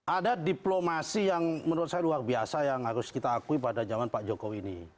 ada diplomasi yang menurut saya luar biasa yang harus kita akui pada zaman pak jokowi ini